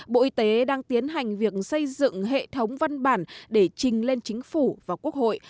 bộ y tế đang tiến hành việc xây dựng hệ thống văn bản để trình lên chính phủ và quốc hội